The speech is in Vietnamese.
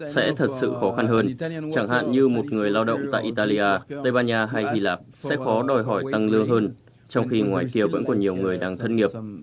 sẽ thật sự khó khăn hơn chẳng hạn như một người lao động tại italia tây ban nha hay hy lạp sẽ khó đòi hỏi tăng lương hơn trong khi ngoài kia vẫn còn nhiều người đang thân nghiệp